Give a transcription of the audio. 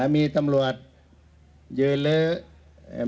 มีตำรวจยืนเลอะ